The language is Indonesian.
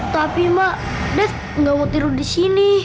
tapi ma dev gak mau tidur di sini